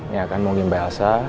yang akan mengunggi mbak asa